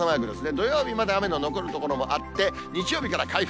土曜日まだ雨の残る所もあって、日曜日から回復。